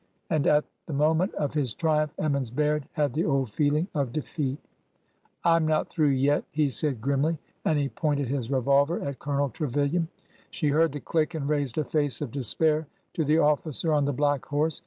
And at the moment of his triumph Emmons Baird had the old feeling of defeat. I 'm not through yet," he said grimly, and he pointed his revolver at Colonel Trevilian. She heard the click and raised a face of despair to the officer on the black horse.